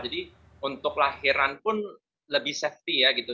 jadi untuk lahiran pun lebih safety ya gitu